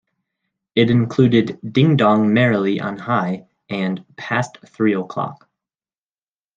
It included "Ding Dong Merrily on High" and "Past Three O'Clock".